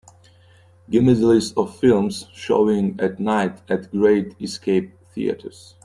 Give me the list of films showing at night at Great Escape Theatres.